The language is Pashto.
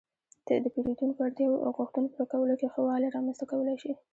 -د پېرېدونکو اړتیاو او غوښتنو پوره کولو کې ښه والی رامنځته کولای شئ